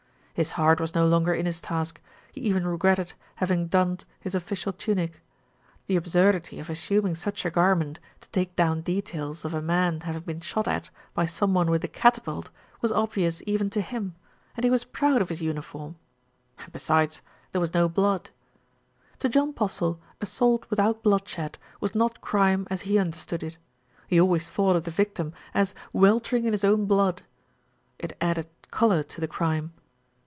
His heart was no longer in his task, he even regretted having donned his official tunic. The absurdity of assuming such a garment to take down details of a man having been shot at by some one with a catapult was obvious even to him, and he was proud of his uni form and besides, there was no blood. To John Postle assault without bloodshed was not crime as he understood it. He. always thought of the victim as "weltering in his own blood." It added colour to the crime.